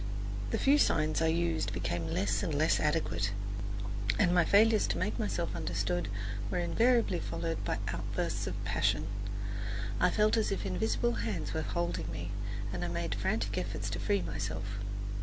The few signs I used became less and less adequate, and my failures to make myself understood were invariably followed by outbursts of passion. I felt as if invisible hands were holding me, and I made frantic efforts to free myself.